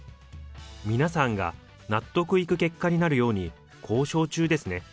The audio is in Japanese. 皆さんが納得いく結果になるように交渉中ですね。